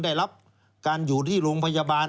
ได้รับการอยู่ที่โรงพยาบาล